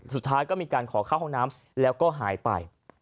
สุดท้ายก็มีการขอเข้าห้องน้ำแล้วก็หายไป